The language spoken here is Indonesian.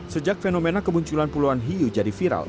sejak fenomena kemunculan puluhan hiu jadi viral